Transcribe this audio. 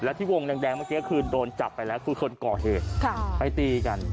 แล้วที่วงแดงแดงเมื่อกี้ก็คืนโดนจับไปแล้วคุณคนก่อเหตุค่ะไปตีกัน